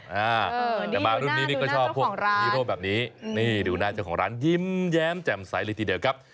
แต่มารุ่นนี้นี่ก็ชอบพวกฮีโร่แบบนี้นี่ดูหน้าเจ้าของร้านยิ้มแย้มแจ่มใสเลยทีเดียวครับ